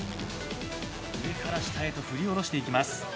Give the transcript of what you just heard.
上から下へと振り下ろしていきます。